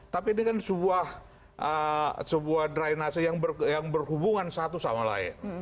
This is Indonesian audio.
tapi ini kan sebuah drainase yang berhubungan satu sama lain